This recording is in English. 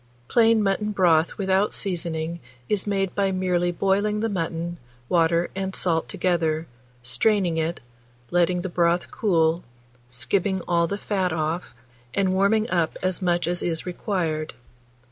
Plain mutton broth without seasoning is made by merely boiling the mutton, water, and salt together, straining it, letting the broth cool, skimming all the fat off, and warming up as much as is required.